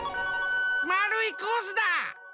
まるいコースだ！